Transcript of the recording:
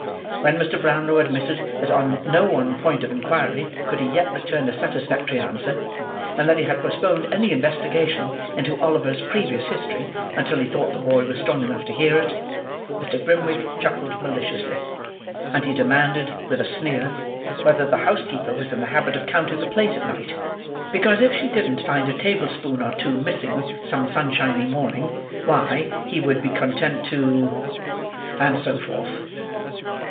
When Mr. Brownlow admitted that on no one point of inquiry could he yet return a satisfactory answer; and that he had postponed any investigation into Oliver's previous history until he thought the boy was strong enough to hear it; Mr. Grimwig chuckled maliciously. And he demanded, with a sneer, whether the housekeeper was in the habit of counting the plate at night; because if she didn't find a table spoon or two missing some sunshiny morning, why, he would be content to—and so forth.